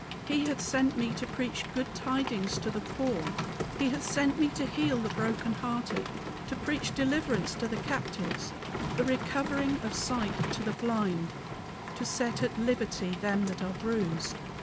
He hath sent me to preach good tidings to the poor; He hath sent me to heal the broken hearted, To preach deliverance to the captives, The recovering of sight to the blind, To set at liberty them that are bruised!"